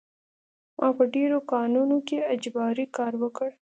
ما په ډېرو کانونو کې اجباري کار وکړ